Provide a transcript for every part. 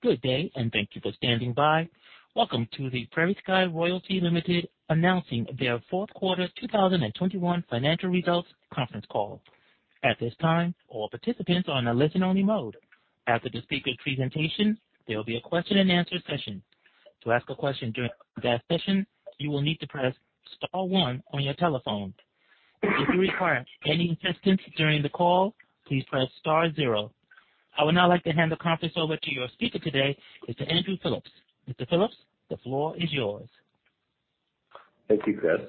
Good day, and thank you for standing by. Welcome to the PrairieSky Royalty Ltd. announcing their fourth quarter 2021 financial results conference call. At this time, all participants are on a listen-only mode. After the speaker presentation, there will be a question-and-answer session. To ask a question during that session, you will need to press star one on your telephone. If you require any assistance during the call, please press star zero. I would now like to hand the conference over to your speaker today, Mr. Andrew Phillips. Mr. Phillips, the floor is yours. Thank you, Chris.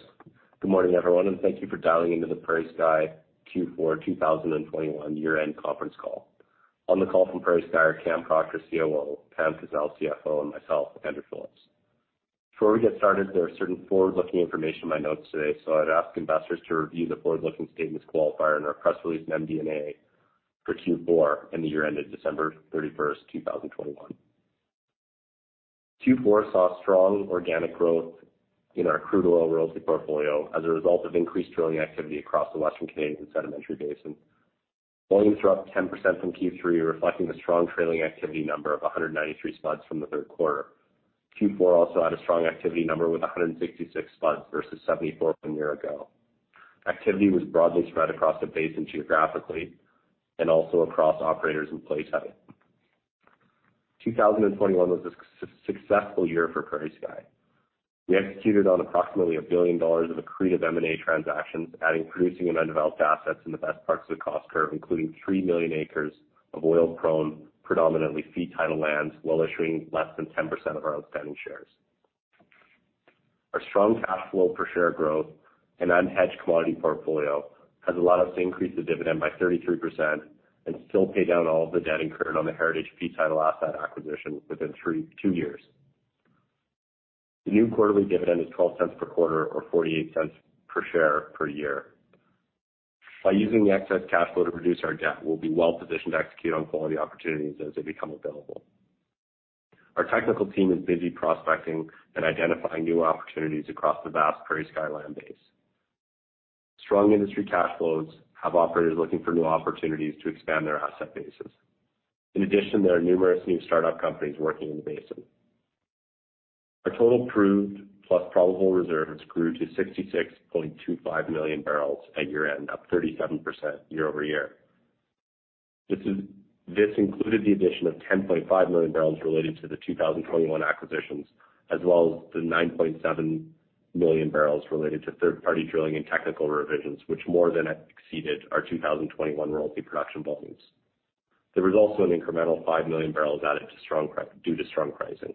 Good morning, everyone, and thank you for dialing into the PrairieSky Q4 2021 year-end conference call. On the call from PrairieSky are Cam Proctor, COO, Pam Kazeil, CFO, and myself, Andrew Phillips. Before we get started, there are certain forward-looking information in my notes today, so I'd ask investors to review the forward-looking statements qualifier in our press release and MD&A for Q4 and the year ended December 31, 2021. Q4 saw strong organic growth in our crude oil royalty portfolio as a result of increased drilling activity across the Western Canadian Sedimentary Basin. Volumes were up 10% from Q3, reflecting the strong trailing activity number of 193 spuds from the third quarter. Q4 also had a strong activity number with 166 spuds versus 74 from a year ago. Activity was broadly spread across the basin geographically and also across operators in play type. 2021 was a successful year for PrairieSky. We executed on approximately 1 billion dollars of accretive M&A transactions, adding producing and undeveloped assets in the best parts of the cost curve, including 3 million acres of oil-prone, predominantly fee title lands, while issuing less than 10% of our outstanding shares. Our strong cash flow per share growth and unhedged commodity portfolio has allowed us to increase the dividend by 33% and still pay down all the debt incurred on the Heritage fee title asset acquisition within two years. The new quarterly dividend is 0.12 per quarter or 0.48 per share per year. By using the excess cash flow to reduce our debt, we'll be well-positioned to execute on quality opportunities as they become available. Our technical team is busy prospecting and identifying new opportunities across the vast PrairieSky land base. Strong industry cash flows have operators looking for new opportunities to expand their asset bases. In addition, there are numerous new start-up companies working in the basin. Our total proved plus probable reserves grew to 66.25 million barrels at year-end, up 37% year-over-year. This included the addition of 10.5 million barrels related to the 2021 acquisitions, as well as the 9.7 million barrels related to third-party drilling and technical revisions, which more than exceeded our 2021 royalty production volumes. There was also an incremental 5 million barrels added due to strong pricing.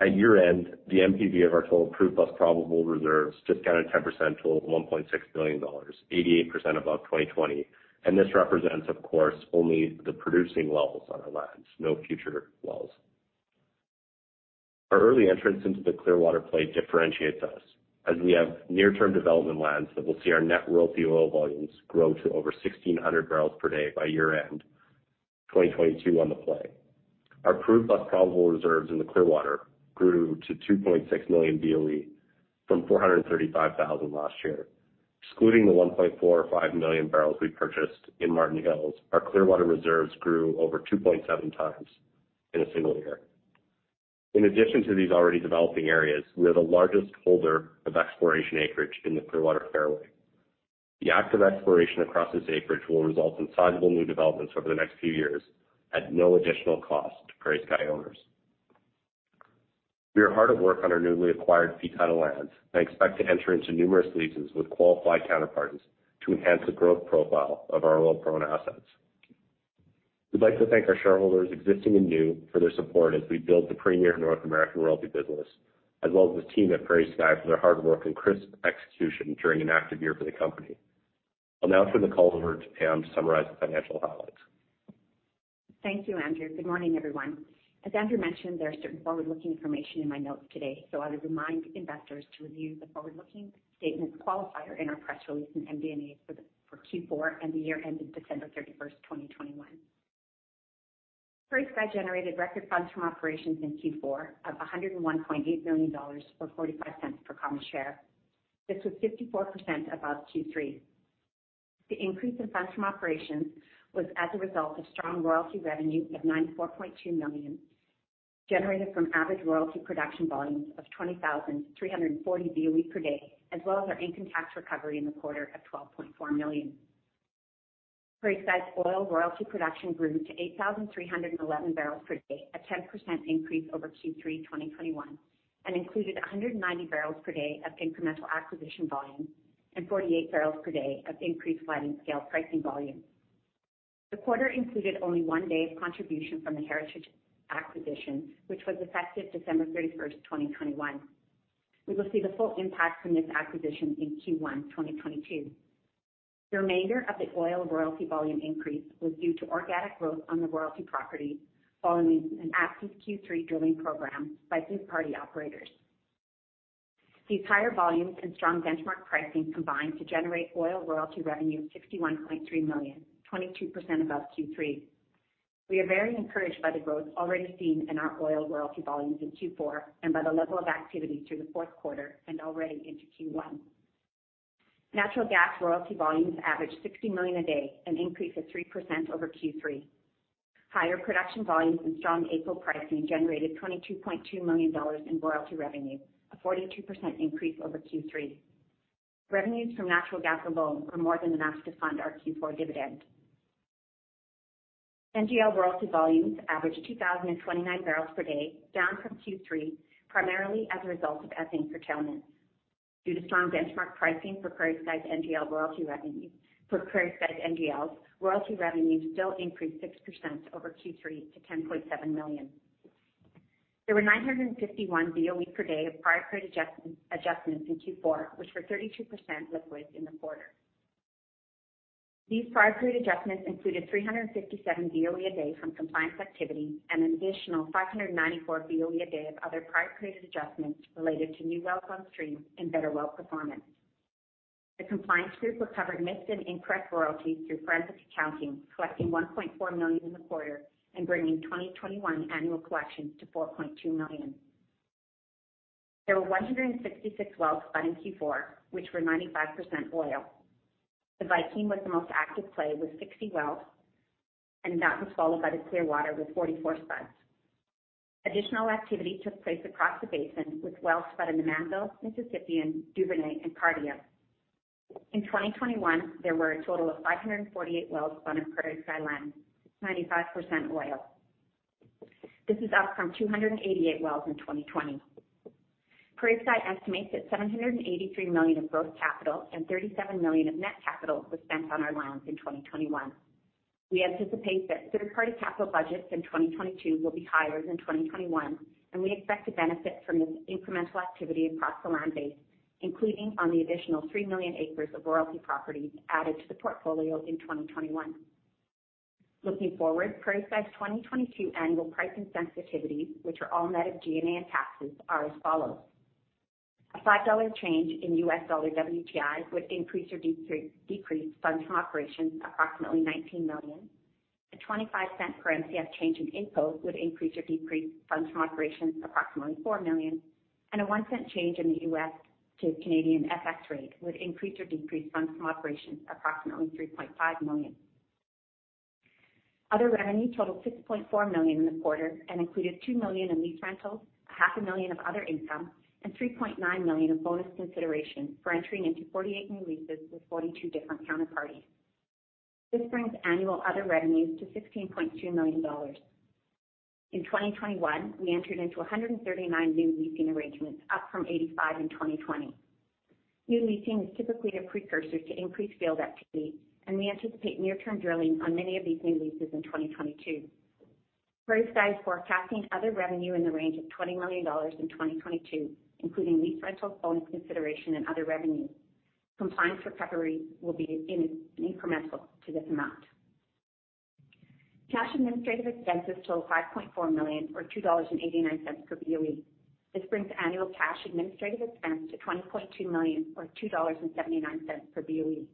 At year-end, the NPV of our total proved plus probable reserves discounted 10% totaled 1.6 billion dollars, 88% above 2020, and this represents, of course, only the producing wells on our lands, no future wells. Our early entrance into the Clearwater Play differentiates us, as we have near-term development lands that will see our net royalty oil volumes grow to over 1,600 barrels per day by year-end 2022 on the play. Our proved plus probable reserves in the Clearwater grew to 2.6 million BOE from 435,000 last year. Excluding the 1.45 million barrels we purchased in Martin Hills, our Clearwater reserves grew over 2.7 times in a single year. In addition to these already developing areas, we are the largest holder of exploration acreage in the Clearwater Fairway. The active exploration across this acreage will result in sizable new developments over the next few years at no additional cost to PrairieSky owners. We are hard at work on our newly acquired fee title lands and expect to enter into numerous leases with qualified counterparts to enhance the growth profile of our oil-prone assets. We'd like to thank our shareholders, existing and new, for their support as we build the premier North American royalty business, as well as the team at PrairieSky for their hard work and crisp execution during an active year for the company. I'll now turn the call over to Pam to summarize the financial highlights. Thank you, Andrew. Good morning, everyone. As Andrew mentioned, there are certain forward-looking information in my notes today. I would remind investors to review the forward-looking statements qualifier in our press release and MD&A for Q4 and the year ending December 31, 2021. PrairieSky generated record funds from operations in Q4 of 101.8 million dollars, or 0.45 per common share. This was 54% above Q3. The increase in funds from operations was as a result of strong royalty revenue of 94.2 million, generated from average royalty production volumes of 20,340 BOE per day, as well as our income tax recovery in the quarter of 12.4 million. PrairieSky's oil royalty production grew to 8,311 barrels per day, a 10% increase over Q3 2021, and included 190 barrels per day of incremental acquisition volume and 48 barrels per day of increased sliding scale pricing volume. The quarter included only one day of contribution from the Heritage acquisition, which was effective December 31st, 2021. We will see the full impact from this acquisition in Q1 2022. The remainder of the oil royalty volume increase was due to organic growth on the royalty property following an active Q3 drilling program by third-party operators. These higher volumes and strong benchmark pricing combined to generate oil royalty revenue of 61.3 million, 22% above Q3. We are very encouraged by the growth already seen in our oil royalty volumes in Q4 and by the level of activity through the fourth quarter and already into Q1. Natural gas royalty volumes averaged 60 million a day, an increase of 3% over Q3. Higher production volumes and strong AECO pricing generated 22.2 million dollars in royalty revenue, a 42% increase over Q3. Revenues from natural gas alone were more than enough to fund our Q4 dividend. NGL royalty volumes averaged 2,029 barrels per day, down from Q3, primarily as a result of ethane curtailment. Due to strong benchmark pricing for PrairieSky's NGLs, royalty revenues still increased 6% over Q3 to 10.7 million. There were 951 BOE per day of prior period adjustments in Q4, which were 32% liquids in the quarter. These prior period adjustments included 357 BOE a day from compliance activity and an additional 594 BOE a day of other prior period adjustments related to new wells on stream and better well performance. The compliance group recovered missed and incorrect royalties through forensic accounting, collecting 1.4 million in the quarter and bringing 2021 annual collections to 4.2 million. There were 166 wells spud in Q4, which were 95% oil. The Viking was the most active play with 60 wells, and that was followed by the Clearwater with 44 spuds. Additional activity took place across the basin with wells spud in the Manville, Mississippian, Duvernay and Cardium. In 2021, there were a total of 548 wells spud on PrairieSky lands, 95% oil. This is up from 288 wells in 2020. PrairieSky estimates that 783 million of gross capital and 37 million of net capital was spent on our lands in 2021. We anticipate that third party capital budgets in 2022 will be higher than 2021, and we expect to benefit from this incremental activity across the land base, including on the additional 3 million acres of royalty properties added to the portfolio in 2021. Looking forward, PrairieSky's 2022 annual price and sensitivity, which are all net of G&A and taxes, are as follows. A $5 change in US dollar WTI would increase or decrease funds from operations approximately 19 million. A 0.25 per Mcf change in AECO would increase or decrease funds from operations approximately 4 million, and a 0.01 change in the U.S. to Canadian FX rate would increase or decrease funds from operations approximately 3.5 million. Other revenue totaled 6.4 million in the quarter and included 2 million in lease rentals, a half a million CAD of other income, and 3.9 million of bonus consideration for entering into 48 new leases with 42 different counterparties. This brings annual other revenues to 16.2 million dollars. In 2021, we entered into 139 new leasing arrangements, up from 85 in 2020. New leasing is typically a precursor to increased field activity, and we anticipate near-term drilling on many of these new leases in 2022. PrairieSky is forecasting other revenue in the range of 20 million dollars in 2022, including lease rentals, bonus consideration and other revenue. Compliance recoveries will be incremental to this amount. Cash administrative expenses totaled 5.4 million or 2.89 dollars per BOE. This brings annual cash administrative expense to 20.2 million or 2.79 dollars per BOE.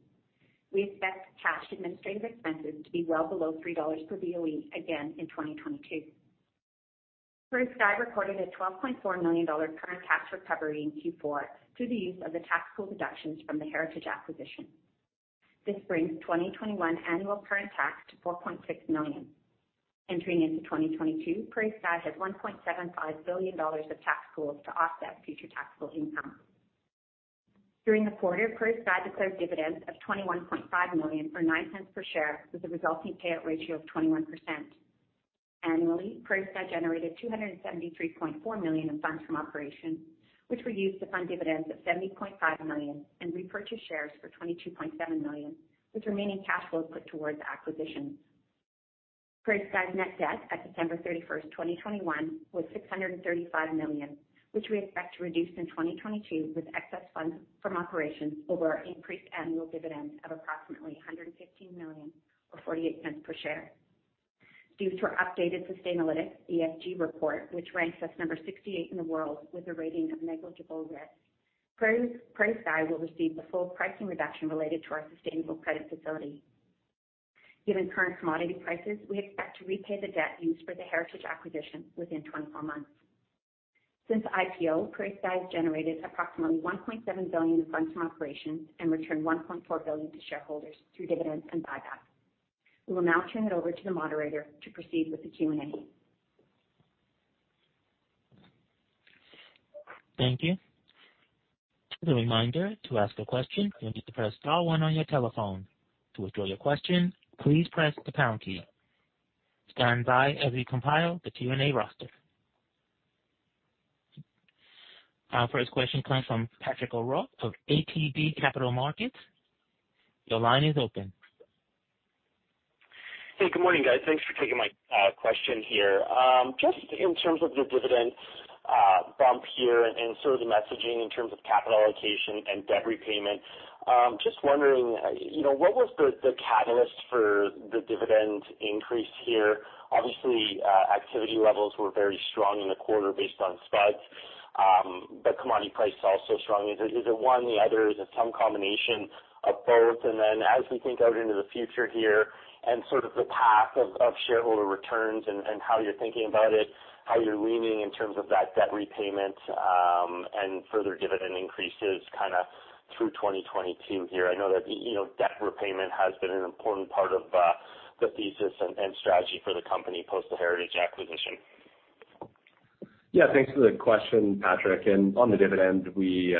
We expect cash administrative expenses to be well below 3 dollars per BOE again in 2022. PrairieSky recorded a 12.4 million dollar current tax recovery in Q4 through the use of the tax pool deductions from the Heritage acquisition. This brings 2021 annual current tax to 4.6 million. Entering into 2022, PrairieSky has 1.75 billion dollars of tax pools to offset future taxable income. During the quarter, PrairieSky declared dividends of 21.5 million or 0.09 per share with a resulting payout ratio of 21%. Annually, PrairieSky generated 273.4 million in funds from operations, which were used to fund dividends of 70.5 million and repurchase shares for 22.7 million, with remaining cash flow put towards acquisitions. PrairieSky's net debt at December 31, 2021 was 635 million, which we expect to reduce in 2022 with excess funds from operations over our increased annual dividends of approximately 115 million or 0.48 per share. Due to our updated Sustainalytics ESG report, which ranks us number 68 in the world with a rating of negligible risk, PrairieSky will receive the full pricing reduction related to our sustainable credit facility. Given current commodity prices, we expect to repay the debt used for the Heritage acquisition within 24 months. Since IPO, PrairieSky has generated approximately 1.7 billion in funds from operations and returned 1.4 billion to shareholders through dividends and buybacks. We will now turn it over to the moderator to proceed with the Q&A. Thank you. As a reminder, to ask a question, you need to press star one on your telephone. To withdraw your question, please press the pound key. Stand by as we compile the Q&A roster. Our first question comes from Patrick O'Rourke of ATB Capital Markets. Your line is open. Hey, good morning, guys. Thanks for taking my question here. Just in terms of the dividend bump here and sort of the messaging in terms of capital allocation and debt repayment, just wondering, you know, what was the catalyst for the dividend increase here? Obviously, activity levels were very strong in the quarter based on spuds, but commodity prices are also strong. Is it one or the other? Is it some combination of both? As we think out into the future here and sort of the path of shareholder returns and how you're thinking about it, how you're leaning in terms of that debt repayment and further dividend increases kinda through 2022 here. I know that, you know, debt repayment has been an important part of the thesis and strategy for the company post the Heritage acquisition. Yeah, thanks for the question, Patrick. On the dividend, we,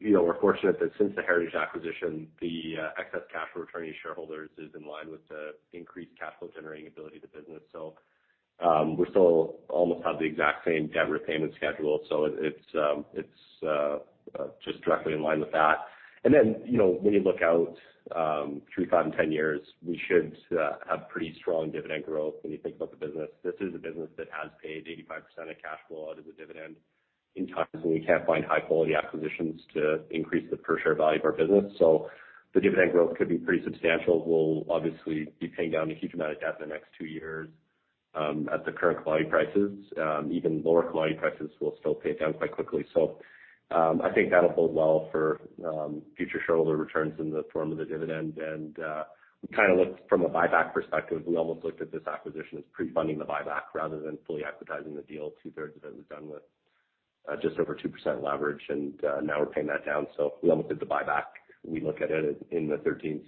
you know, we're fortunate that since the Heritage acquisition, the excess cash return to shareholders is in line with the increased cash flow generating ability of the business. We still almost have the exact same debt repayment schedule, so it's just directly in line with that. You know, when you look out 3, 5, and 10 years, we should have pretty strong dividend growth when you think about the business. This is a business that has paid 85% of cash flow out as a dividend in times when we can't find high-quality acquisitions to increase the per share value of our business. The dividend growth could be pretty substantial. We'll obviously be paying down a huge amount of debt in the next 2 years at the current commodity prices. Even lower commodity prices, we'll still pay it down quite quickly. I think that'll bode well for future shareholder returns in the form of a dividend. We kind of looked from a buyback perspective. We almost looked at this acquisition as pre-funding the buyback rather than fully advertising the deal. 2/3 of it was done with just over 2% leverage, and now we're paying that down. We almost did the buyback, we look at it, in the thirties.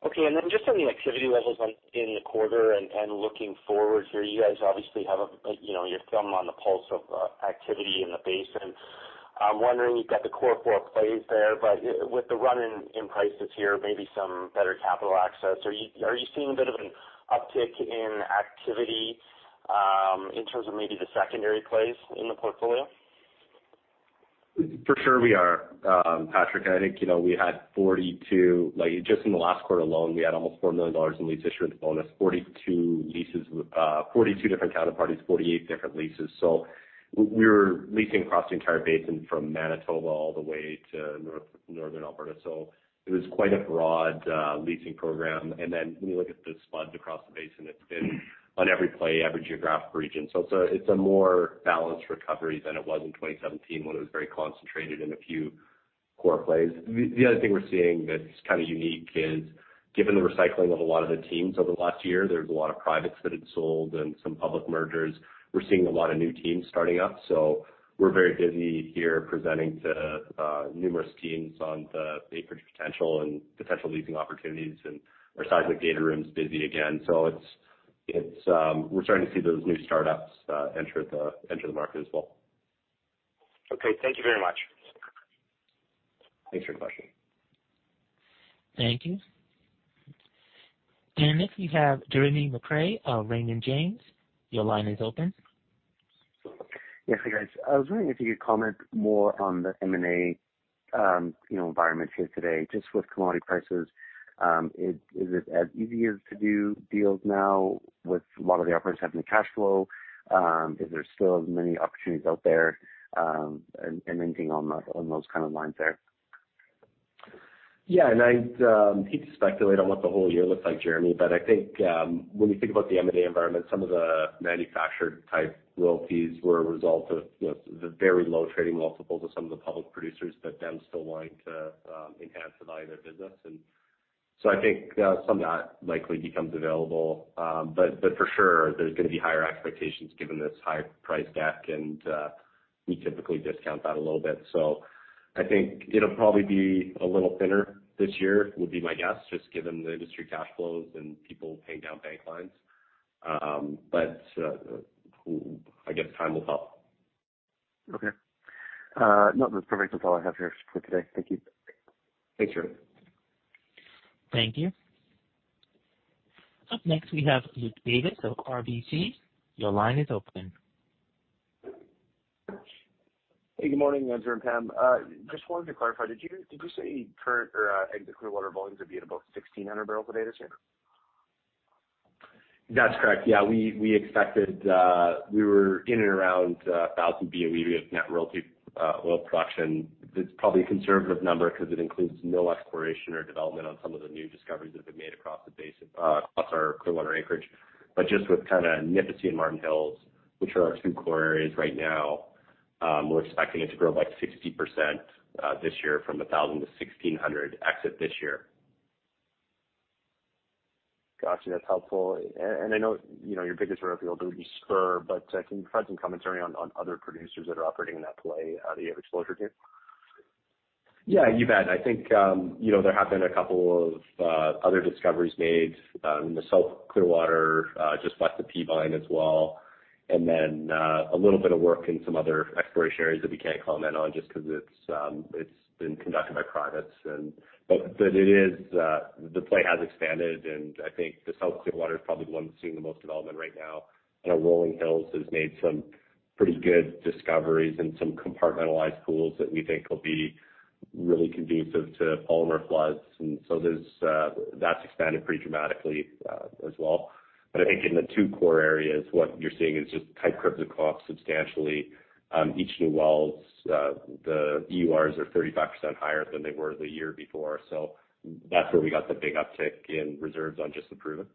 Okay. Just on the activity levels in the quarter and looking forward here, you guys obviously have, you know, your thumb on the pulse of activity in the basin. I'm wondering, you've got the core four plays there, but with the run in prices here, maybe some better capital access, are you seeing a bit of an uptick in activity in terms of maybe the secondary plays in the portfolio? For sure we are, Patrick. I think, you know, we had 42—like, just in the last quarter alone, we had almost 4 million dollars in lease issuance volume. That's 42 leases with 42 different counterparties, 48 different leases. We're leasing across the entire basin from Manitoba all the way to Northern Alberta. It was quite a broad leasing program. Then when you look at the spuds across the basin, it's been on every play, every geographic region. It's a more balanced recovery than it was in 2017 when it was very concentrated in a few core plays. The other thing we're seeing that's kind of unique is given the recycling of a lot of the teams over the last year, there's a lot of privates that had sold and some public mergers. We're seeing a lot of new teams starting up. We're very busy here presenting to numerous teams on the acreage potential and potential leasing opportunities, and our seismic data room's busy again. We're starting to see those new startups enter the market as well. Okay, thank you very much. Thanks for your question. Thank you. Next, we have Jeremy McCrea of Raymond James. Your line is open. Yes. Hey, guys. I was wondering if you could comment more on the M&A, you know, environment here today, just with commodity prices. Is it as easy as to do deals now with a lot of the operators having the cash flow? Is there still as many opportunities out there? And anything on those kind of lines there. Yeah. I'd hate to speculate on what the whole year looks like, Jeremy, but I think when you think about the M&A environment, some of the manufactured type royalties were a result of, you know, the very low trading multiples of some of the public producers, but them still wanting to enhance the value of their business. I think some of that likely becomes available. For sure there's gonna be higher expectations given this higher price deck, and we typically discount that a little bit. I think it'll probably be a little thinner this year, would be my guess, just given the industry cash flows and people paying down bank lines. I guess time will tell. Okay. No, that's perfect. That's all I have here for today. Thank you. Thanks, Jeremy. Thank you. Up next, we have Luke Davis of RBC. Your line is open. Hey, good morning. Thanks for having me. Just wanted to clarify, did you say current or exit Clearwater volumes would be at about 1,600 barrels a day this year? That's correct. Yeah. We expected we were in and around 1,000 BOE of net royalty oil production. It's probably a conservative number because it includes no exploration or development on some of the new discoveries that have been made across the basin across our Clearwater anchorage. But just with kind of Nipisi and Martin Hills, which are our two core areas right now, we're expecting it to grow by 60% this year from 1,000 to 1,600 exit this year. Gotcha. That's helpful. I know, you know, your biggest royalty deal would be Spur, but can you provide some commentary on other producers that are operating in that play, that you have exposure to? Yeah, you bet. I think, you know, there have been a couple of other discoveries made in the South Clearwater just west of Peavine as well, and then a little bit of work in some other exploration areas that we can't comment on just because it's been conducted by privates. The play has expanded, and I think the South Clearwater is probably the one that's seeing the most development right now. You know, Rolling Hills has made some pretty good discoveries and some compartmentalized pools that we think will be really conducive to polymer floods. That's expanded pretty dramatically as well. I think in the two core areas, what you're seeing is just tight curves across substantially each new wells. The EURs are 35% higher than they were the year before. That's where we got the big uptick in reserves on just the proven.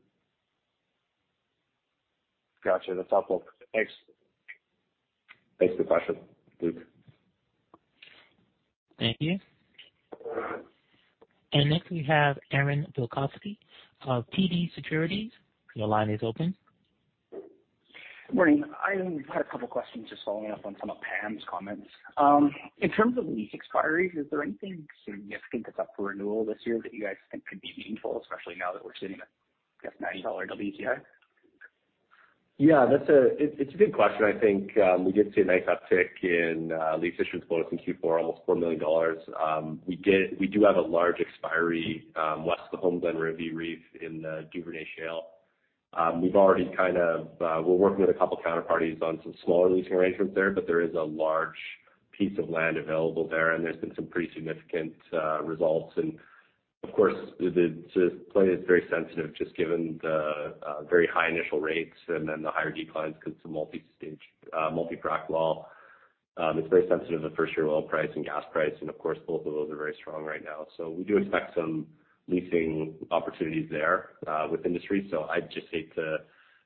Gotcha. That's helpful. Thanks. Thanks for the question, Luke. Thank you. Next, we have Aaron Bilkoski of TD Securities. Your line is open. Morning. I had a couple questions just following up on some of Pam's comments. In terms of lease expiries, is there anything significant that's up for renewal this year that you guys think could be meaningful, especially now that we're sitting at, I guess, $90 WTI? Yeah, that's a good question. I think we did see a nice uptick in lease issuance quotes in Q4, almost 4 million dollars. We do have a large expiry west of the Homeglen-Rimbey Reef in the Duvernay Shale. We're working with a couple of counterparties on some smaller leasing arrangements there, but there is a large piece of land available there, and there's been some pretty significant results. Of course, the play is very sensitive just given the very high initial rates and then the higher declines because it's a multi-stage multi-frac well. It's very sensitive to first year oil price and gas price, and of course, both of those are very strong right now. We do expect some leasing opportunities there with industry. I'd just hate to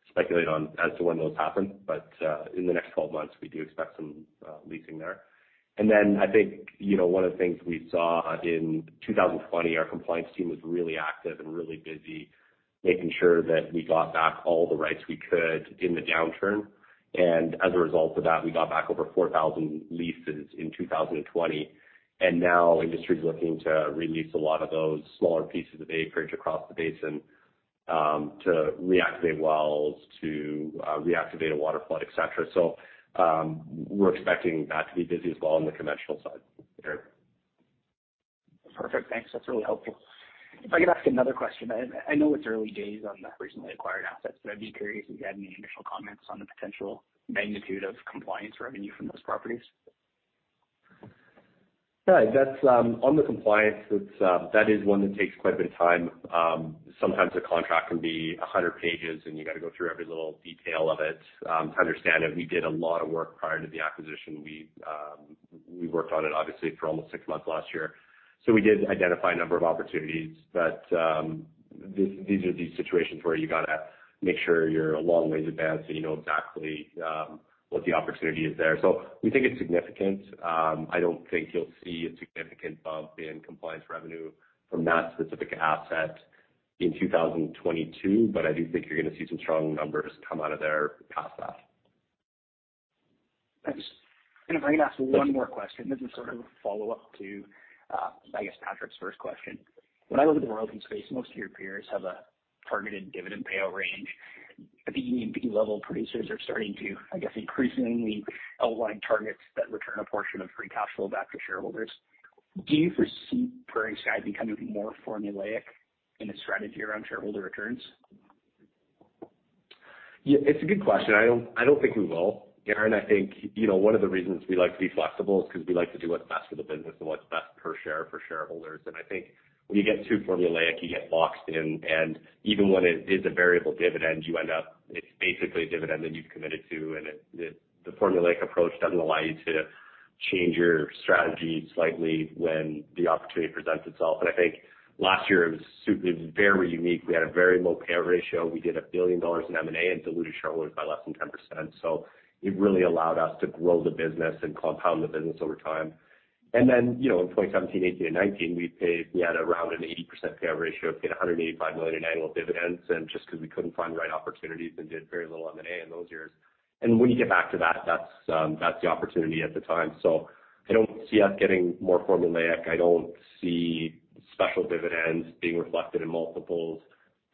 speculate as to when those happen. In the next 12 months, we do expect some leasing there. Then I think, you know, one of the things we saw in 2020, our compliance team was really active and really busy making sure that we got back all the rights we could in the downturn. As a result of that, we got back over 4,000 leases in 2020. Now industry is looking to re-lease a lot of those smaller pieces of acreage across the basin to reactivate wells, to reactivate a water flood, et cetera. We're expecting that to be busy as well on the conventional side. Perfect. Thanks. That's really helpful. If I could ask another question. I know it's early days on the recently acquired assets, but I'd be curious if you had any initial comments on the potential magnitude of complementary revenue from those properties. Yeah. That's on the compliance; it's that is one that takes quite a bit of time. Sometimes a contract can be 100 pages, and you got to go through every little detail of it to understand it. We did a lot of work prior to the acquisition. We worked on it obviously for almost six months last year. We did identify a number of opportunities. These are situations where you got to make sure you're a long ways advanced, so you know exactly what the opportunity is there. We think it's significant. I don't think you'll see a significant bump in compliance revenue from that specific asset in 2022, but I do think you're going to see some strong numbers come out of there past that. Thanks. If I can ask one more question, this is sort of a follow-up to, I guess, Patrick's first question. When I look at the royalty space, most of your peers have a targeted dividend payout range. I think even B level producers are starting to, I guess, increasingly outline targets that return a portion of free cash flow back to shareholders. Do you foresee PrairieSky becoming more formulaic in its strategy around shareholder returns? Yeah, it's a good question. I don't think we will, Aaron. I think, you know, one of the reasons we like to be flexible is because we like to do what's best for the business and what's best per share for shareholders. I think when you get too formulaic, you get boxed in. Even when it is a variable dividend, you end up. It's basically a dividend that you've committed to, and it. The formulaic approach doesn't allow you to change your strategy slightly when the opportunity presents itself. I think last year it was very unique. We had a very low payout ratio. We did 1 billion dollars in M&A and diluted shareholders by less than 10%. It really allowed us to grow the business and compound the business over time. You know, in 2017, 2018 and 2019, we had around an 80% payout ratio, paid 185 million in annual dividends, and just because we couldn't find the right opportunities and did very little M&A in those years. When you get back to that's the opportunity at the time. I don't see us getting more formulaic. I don't see special dividends being reflected in multiples.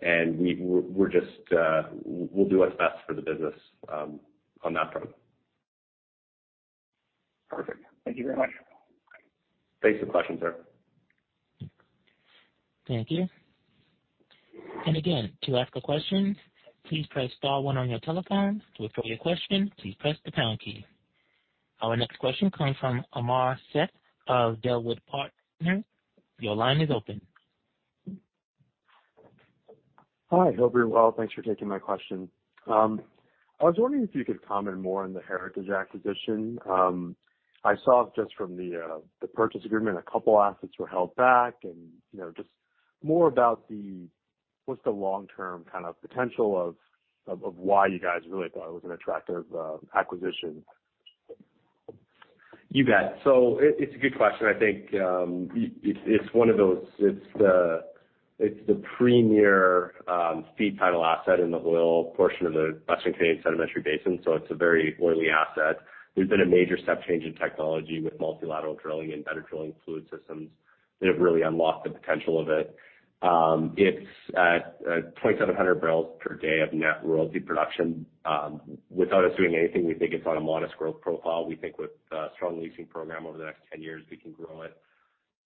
We're just, we'll do what's best for the business, on that front. Perfect. Thank you very much. Thanks for the question, Aaron. Our next question comes from Amar Sheth of Bellwood Partners. Your line is open. Hi. Hope you're well. Thanks for taking my question. I was wondering if you could comment more on the Heritage acquisition. I saw just from the purchase agreement, a couple assets were held back and, you know, just more about what's the long-term kind of potential of why you guys really thought it was an attractive acquisition. You bet. It's a good question. I think it's one of those—it's the premier fee title asset in the oil portion of the Western Canadian Sedimentary Basin, so it's a very oily asset. There's been a major step change in technology with multilateral drilling and better drilling fluid systems that have really unlocked the potential of it. It's at 2,700 barrels per day of net royalty production. Without us doing anything, we think it's on a modest growth profile. We think with a strong leasing program over the next 10 years, we can grow it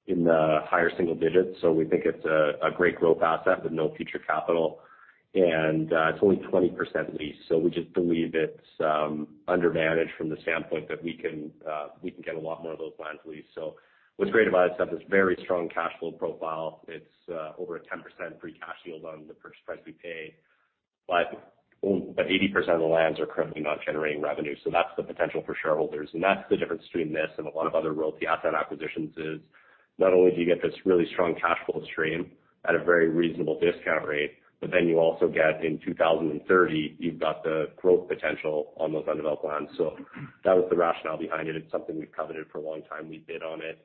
in the higher single digits. We think it's a great growth asset with no future capital. It's only 20% leased. We just believe it's undermanaged from the standpoint that we can get a lot more of those lands leased. What's great about it is that it's a very strong cash flow profile. It's over a 10% free cash yield on the purchase price we pay, but 80% of the lands are currently not generating revenue. That's the potential for shareholders. That's the difference between this and a lot of other royalty asset acquisitions is not only do you get this really strong cash flow stream at a very reasonable discount rate, but then you also get in 2030, you've got the growth potential on those undeveloped lands. That was the rationale behind it. It's something we've coveted for a long time. We bid on it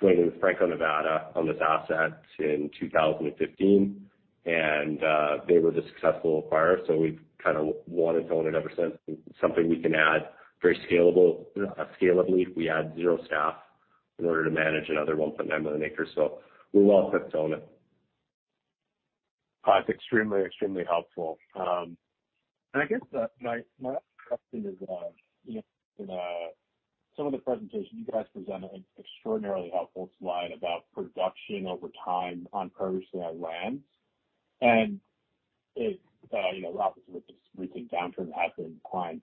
jointly with Franco-Nevada on this asset in 2015, and they were the successful acquirers. We've kinda wanted to own it ever since. Something we can add, very scalable, scalably. We add zero staff in order to manage another 1.9 million acres, so we're well set to own it. It's extremely helpful. I guess my last question is, you know, in some of the presentations you guys presented an extraordinarily helpful slide about production over time on PrairieSky lands. It, you know, obviously with this recent downturn has been declining.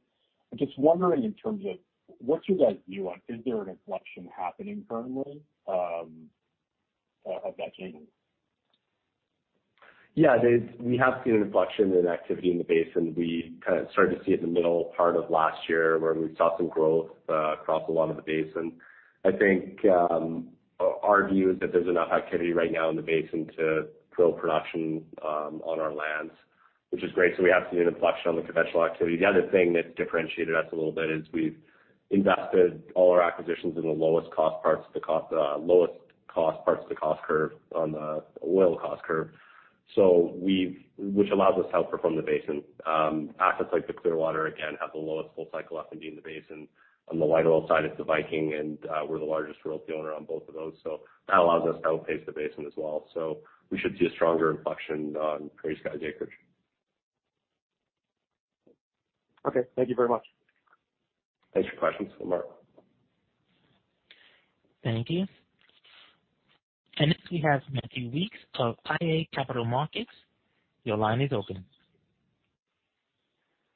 I'm just wondering in terms of what's you guys' view on, is there an inflection happening currently, of that trend? Yeah, we have seen an inflection in activity in the basin. We kinda started to see it in the middle part of last year, where we saw some growth across a lot of the basin. I think, our view is that there's enough activity right now in the basin to grow production on our lands. Which is great, we have seen an inflection on the conventional activity. The other thing that's differentiated us a little bit is we've invested all our acquisitions in the lowest cost parts of the cost curve on the oil cost curve. Which allows us to outperform the basin. Assets like the Clearwater, again, have the lowest full cycle OPEX in the basin. On the light oil side, it's the Viking, and we're the largest royalty owner on both of those. That allows us to outpace the basin as well. We should see a stronger inflection on PrairieSky's acreage. Okay, thank you very much. Thanks for your questions, Amar. Thank you. Next we have Matthew Weekes of iA Capital Markets. Your line is open.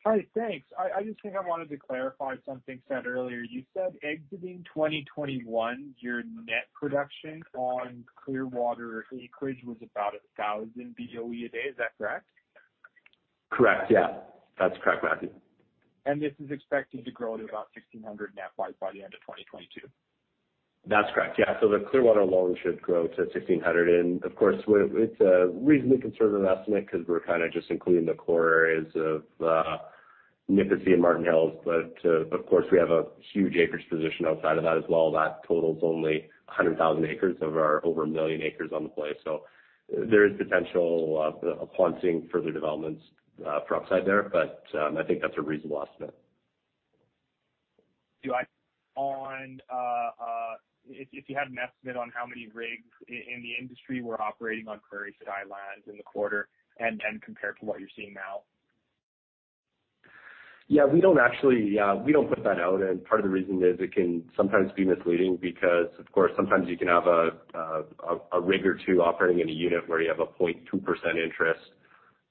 Hi, thanks. I just think I wanted to clarify something said earlier. You said exiting 2021, your net production on Clearwater acreage was about 1,000 BOE a day. Is that correct? Correct. Yeah, that's correct, Matthew. This is expected to grow to about 1,600 net by the end of 2022. That's correct. Yeah. The Clearwater alone should grow to 1,600 and of course it's a reasonably conservative estimate because we're kinda just including the core areas of Nipisi and Martin Hills. Of course, we have a huge acreage position outside of that as well. That total is only 100,000 acres of our over 1 million acres on the play. There is potential of, upon seeing further developments, for upside there. I think that's a reasonable estimate. Do you have an estimate on how many rigs in the industry were operating on PrairieSky lands in the quarter and compared to what you're seeing now? Yeah, we don't actually, we don't put that out. Part of the reason is it can sometimes be misleading because of course sometimes you can have a rig or two operating in a unit where you have a 0.2% interest.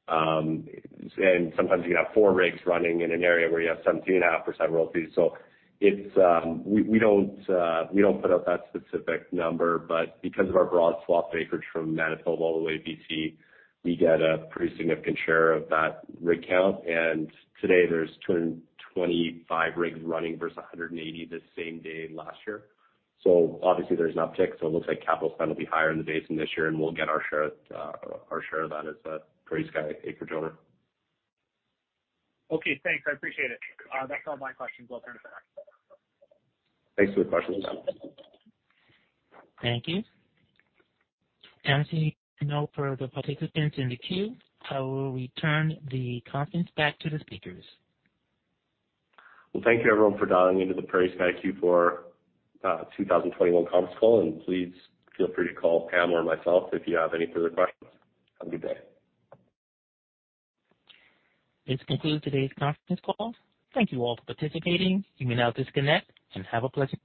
Sometimes you can have four rigs running in an area where you have 17.5% royalty. It's, we don't put out that specific number. Because of our broad swathe acreage from Manitoba all the way to BC, we get a pretty significant share of that rig count. Today there's 225 rigs running versus 180 this same day last year. Obviously there's an uptick, so it looks like capital spend will be higher in the basin this year and we'll get our share of that as a PrairieSky acreage owner. Okay, thanks, I appreciate it. That's all my questions. We'll turn it back. Thanks for the questions. Thank you. As there are no further participants in the queue, I will return the conference back to the speakers. Well, thank you everyone for dialing into the PrairieSky Q4 2021 conference call. Please feel free to call Pam or myself if you have any further questions. Have a good day. This concludes today's conference call. Thank you all for participating. You may now disconnect and have a pleasant-